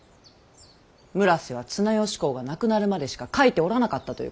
村瀬は綱吉公が亡くなるまでしか書いておらなかったということか。